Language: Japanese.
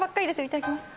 いただきます。